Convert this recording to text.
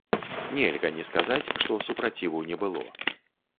Нельга не сказаць, што супраціву не было.